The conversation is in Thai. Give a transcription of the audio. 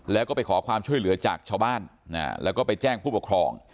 แล้วก็ไปขอความช่วยเหลือจากชาวบ้านแล้วก็ไปแจ้งผู้ปกครอง